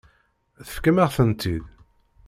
Tefkam-aɣ-tent-id.